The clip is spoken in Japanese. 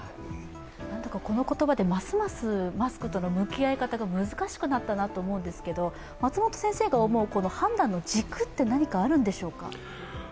この言葉でますますマスクとの向き合い方が難しくなったなと思うんですけど、判断の軸って何かあるんでしょうか。